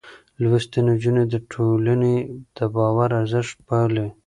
لوستې نجونې د ټولنې د باور ارزښت پالي.